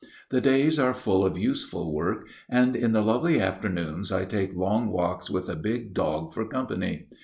The days are full of useful work, and in the lovely afternoons I take long walks with a big dog for company.